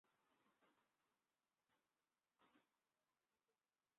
আমাদের বাগানে কেন আসবে ও?